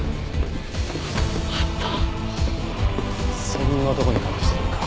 そんなとこに隠してたのか。